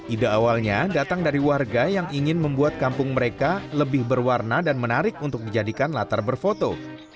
ide awalnya datang dari warga yang ingin membuat kampung mereka lebih berwarna dan menarik untuk dijadikan latar berfoto